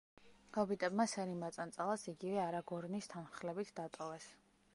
ჰობიტებმა სერი მაწანწალას, იგივე არაგორნის თანხლებით დატოვეს.